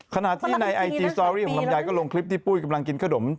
ขณะที่ในไอจีสตอรี่ของลำไยก็ลงคลิปที่ปุ้ยกำลังกินขนม